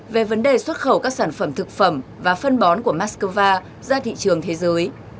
về vấn đề xuất khẩu các sản phẩm thực phẩm và phân bón của moscow ra thị trường thế giới